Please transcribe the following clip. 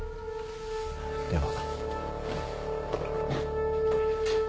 では。